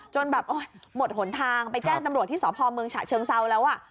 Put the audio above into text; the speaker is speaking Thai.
จนแบบหมดหนทางไปแจ้งตำรวจที่สพเมืองฉะเชิงเซาแล้ว